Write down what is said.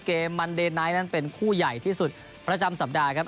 เกมมันเดไนท์นั้นเป็นคู่ใหญ่ที่สุดประจำสัปดาห์ครับ